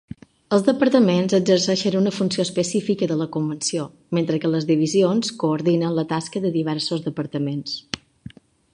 Els "departaments" exerceixen una funció específica de la convenció, mentre que les "divisions" coordinen la tasca de diversos departaments.